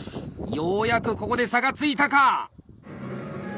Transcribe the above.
ようやくここで差がついたか！